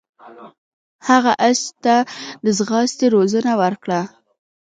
هغه اس ته د ځغاستې روزنه ورکړه.